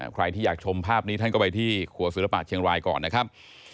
ใครที่อยากชมภาพนี้ท่านก็ไปที่ครัวศิลปะเชียงรายก่อนนะครับ